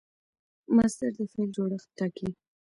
مصدر د فعل جوړښت ټاکي.